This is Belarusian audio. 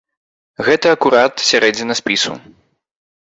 Гэта акурат сярэдзіна спісу.